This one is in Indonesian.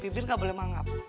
bibir gak boleh mangap